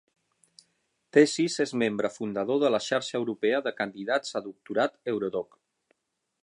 Thesis és membre fundador de la xarxa europea de candidats a doctorat Eurodoc.